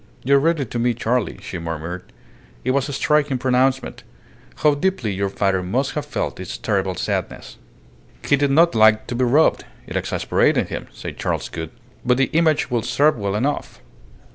"You read it to me, Charley," she murmured. "It was a striking pronouncement. How deeply your father must have felt its terrible sadness!" "He did not like to be robbed. It exasperated him," said Charles Gould. "But the image will serve well enough.